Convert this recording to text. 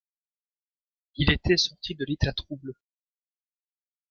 Il était sorti de l’état trouble.